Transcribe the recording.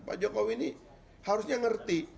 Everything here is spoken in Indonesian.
pak jokowi ini harusnya ngerti